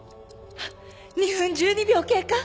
ハッ２分１２秒経過。